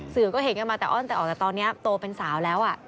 สื่อก็เห็นกันมาแต่อ้อนแต่ออกแต่ตอนนี้โตเป็นสาวแล้ว